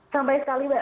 sampai sekali mbak